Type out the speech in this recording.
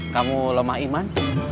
kamu lemah iman